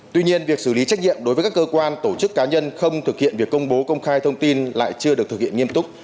tuy nhiên việc xử lý trách nhiệm đối với các cơ quan tổ chức cá nhân không thực hiện việc công bố công khai thông tin lại chưa được thực hiện nghiêm túc